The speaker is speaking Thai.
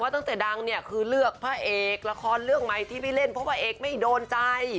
ตั้งแต่ดังเนี่ยคือเลือกพระเอกละครเรื่องใหม่ที่ไม่เล่นเพราะพระเอกไม่โดนใจ